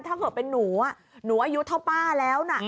ถ้าเกิดเป็นหนูหนูอายุเท่าป้าแล้วนะ